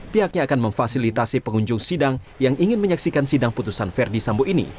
pihaknya akan memfasilitasi pengunjung sidang yang ingin menyaksikan sidang putusan verdi sambo ini